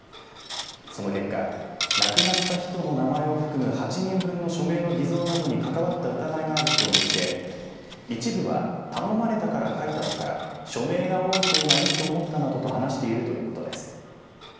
その結果亡くなった人の名前を含む８人分の署名の偽造などに関わった疑いがある人を見つけ一部は頼まれたから書いたとか署名が多い方がいいと思ったなどと話しているということです。